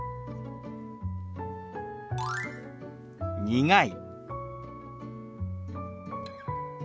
「苦い」。